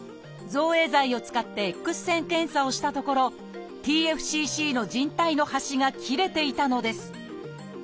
造影剤を使ってＸ線検査をしたところＴＦＣＣの靭帯の端が切れていたのです。